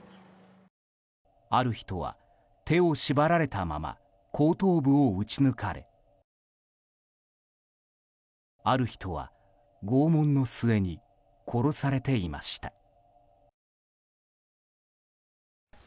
ある人は手を縛られたまま後頭部を撃ち抜かれある人は拷問の末に殺されていました。